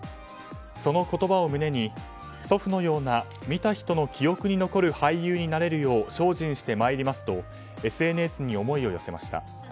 その言葉を胸に祖父のような見た人の記憶に残るような俳優になれるよう精進してまいりますとＳＮＳに思いを寄せました。